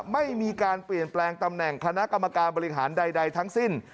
ไม่มีการเปลี่ยนแปลงตำแหน่งคณะกรรมการบริหารใดทั้งสิ้น